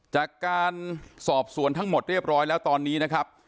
จากการสอบสวนทั้งหมดเรียบร้อยแล้วตอนนี้นะครับ